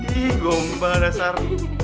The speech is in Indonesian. ih gomba dasar